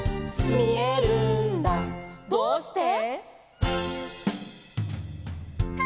「どうして？」